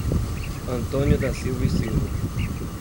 Antônio da Silva E Silva